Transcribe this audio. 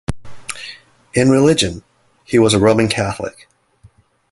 In religion, he was a Roman Catholic.